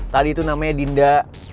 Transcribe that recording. tadi itu namanya dinda